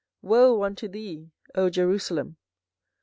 Woe unto thee, O Jerusalem!